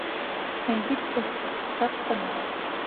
Әлбиттә, саҡ ҡына...